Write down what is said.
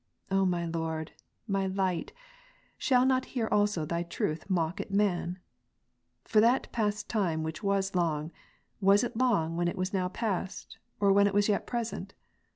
O my Lord, my Light, shall not here also Thy Truth mock at man ? For that past time which was long, was it long when it was now past, or when it was yet present